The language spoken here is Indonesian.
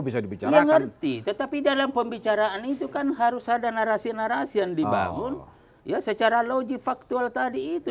iya ngerti tetapi dalam pembicaraan itu kan harus ada narasi narasi yang dibangun secara logifaktual tadi itu